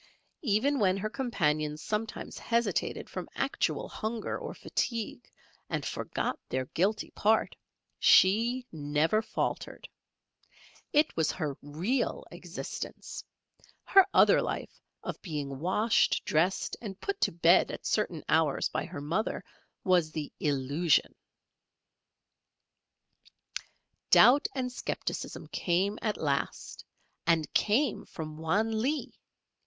Even when her companions sometimes hesitated from actual hunger or fatigue and forgot their guilty part, she never faltered. It was her real existence her other life of being washed, dressed, and put to bed at certain hours by her mother was the illusion. Doubt and scepticism came at last, and came from Wan Lee!